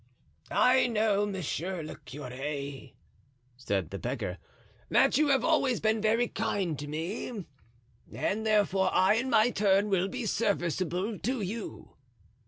"I know, monsieur le curé," said the beggar, "that you have always been very kind to me, and therefore I, in my turn, will be serviceable to you."